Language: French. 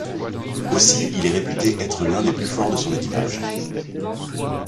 Aussi il est réputé être l'un des plus forts de son équipage.